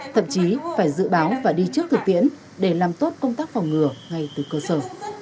thậm chí phải dự báo và đi trước thực tiễn để làm tốt công tác phòng ngừa ngay từ cơ sở